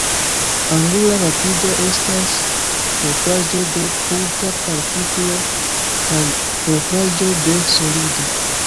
Angula rapido estas propraĵo de punkta partiklo kaj propraĵo de solido.